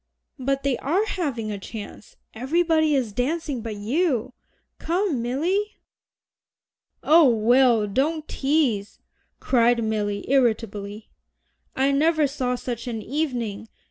"But they are having a chance. Everybody is dancing but you. Come, Milly." "Oh, Will, don't tease," cried Milly irritably. "I never saw such an evening.